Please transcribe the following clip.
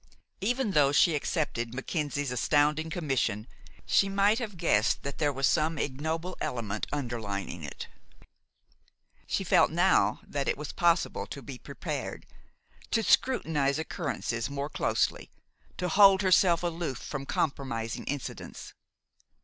Even though she accepted Mackenzie's astounding commission, she might have guessed that there was some ignoble element underlying it. She felt now that it was possible to be prepared, to scrutinize occurrences more closely, to hold herself aloof from compromising incidents.